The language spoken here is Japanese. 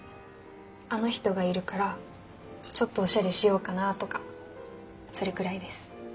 あの人がいるからちょっとおしゃれしようかなとかそれくらいです。